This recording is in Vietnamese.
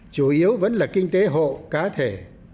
chủ yếu vẫn là kinh tế hộ cá thể